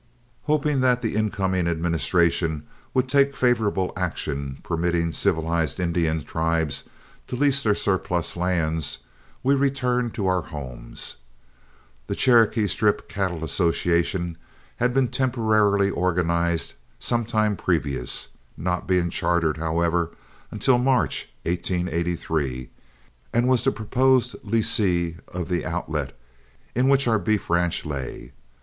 Hoping that the incoming administration would take favorable action permitting civilized Indian tribes to lease their surplus lands, we returned to our homes. The Cherokee Strip Cattle Association had been temporarily organized some time previous, not being chartered, however, until March, 1883, and was the proposed lessee of the Outlet in which our beef ranch lay.